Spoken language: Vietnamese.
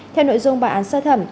theo nội dung bản án sơ thẩm